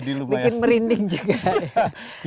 bikin merinding juga ya